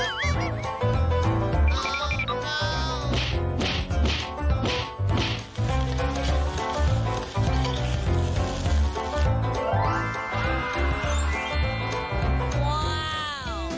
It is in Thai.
ว้าว